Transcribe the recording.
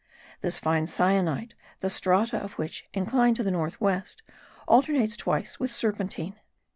This fine syenite, the strata of which incline to the north west, alternates twice with serpentine.